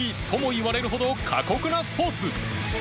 言われるほど過酷なスポーツ